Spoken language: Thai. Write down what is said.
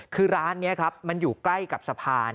คือร้านนี้ครับมันอยู่ใกล้กับสะพาน